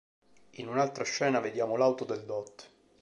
In un'altra scena, vediamo l'auto del dott.